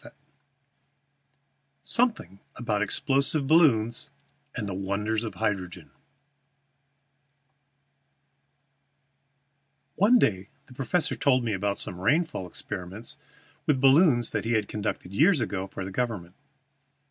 III SOMETHING ABOUT EXPLOSIVE BALLOONS AND THE WONDERS OF HYDROGEN ONE day the professor told me about some rainfall experiments with balloons that he conducted years ago for the government.